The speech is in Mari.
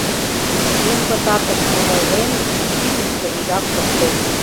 Эн пытартыш мом ойлен Шӱмышкӧ вигак пыштен.